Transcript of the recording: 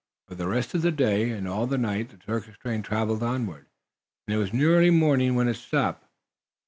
For the rest of that day and all the night the circus train traveled onward, and it was nearly morning when it stopped.